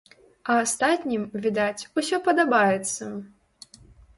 А астатнім, відаць, усё падабаецца!